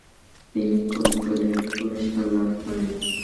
তিনি কুন্তলীন পুরস্কার লাভ করেন।